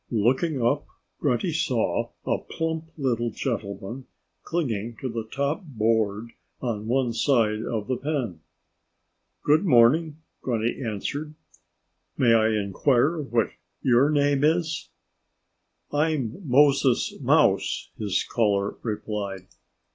Looking up, Grunty saw a plump little gentleman clinging to the top board on one side of the pen. "Good morning!" Grunty answered. "May I inquire what your name is?" "I'm Moses Mouse," his caller replied.